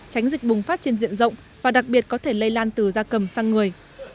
tránh dịch bùng phát trên diện rộng và đặc biệt có thể lây lan từ da cầm sang người